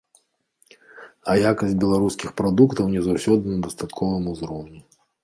А якасць беларускіх прадуктаў не заўсёды на дастатковым узроўні.